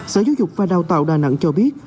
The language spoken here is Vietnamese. sở giáo dục và đào tạo đà nẵng cho biết